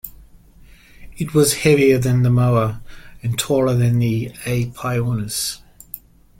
It was heavier than the Moa and taller than "Aepyornis".